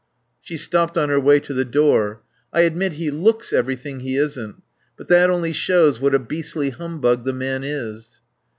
She stopped on her way to the door. "I admit he looks everything he isn't. But that only shows what a beastly humbug the man is."